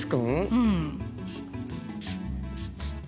うん。